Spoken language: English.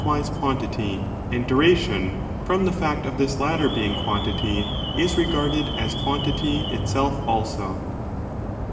wise quantity, and duration,^ from the fact of this latter being quantity, is regarded as quantity itself also.